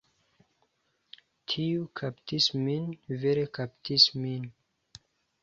Tiu kaptis min. Vere kaptis min.